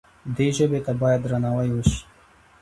دې ژبې ته باید درناوی وشي.